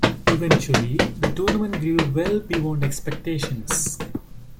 Eventually, the tournament grew well beyond expectations.